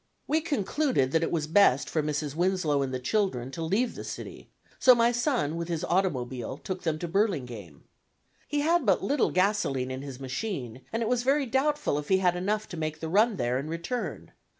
We concluded that it was best for Mrs. Winslow and the children to leave the city; so my son with his automobile took them to Burlingame. He had but little gasoline in his machine, and it was very doubtful if he had enough to make the run there and return.